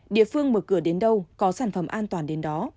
địa phương mở cửa đến đâu có sản phẩm an toàn đến đó